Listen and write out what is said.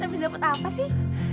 habis dapet apa sih